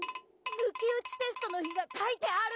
・抜き打ちテストの日が書いてある！